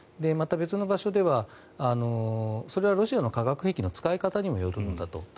また、別の場所ではそれはロシアの化学兵器の使い方にもよるんだと。